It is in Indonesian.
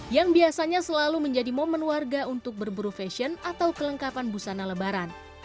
yang biasanya selalu menjadi momen warga untuk berburu fashion atau kelengkapan busana lebaran